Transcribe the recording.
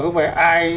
không phải ai